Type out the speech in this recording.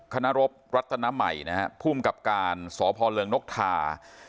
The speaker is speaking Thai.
คณะรบรัตนใหม่นะฮะภูมิกับการสพเริงนกทา